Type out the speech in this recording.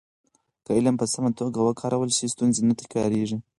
که علم په سمه توګه وکارول شي، ستونزې نه تکرارېږي.